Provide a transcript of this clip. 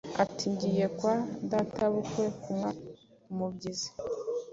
ati “Ngiye kwa databukwe kumuha umubyizi.”